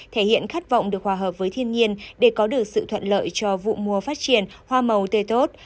thể hiện khát vọng được hòa hợp với thiên nhiên để có được sự thuận lợi cho vụ mùa phát triển hoa màu tươi tốt